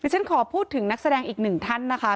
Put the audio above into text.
ฉันขอพูดถึงนักแสดงอีกหนึ่งท่านนะคะ